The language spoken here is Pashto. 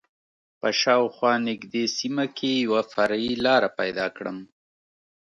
په شا او خوا نږدې سیمه کې یوه فرعي لاره پیدا کړم.